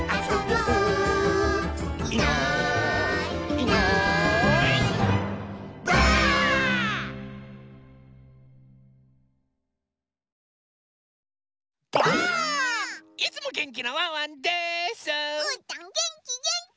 うーたんげんきげんき！